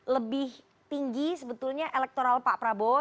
lebih tinggi sebetulnya elektoral pak prabowo